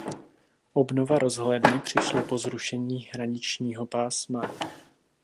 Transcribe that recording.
Obnova rozhledny přišla po zrušení hraničního pásma.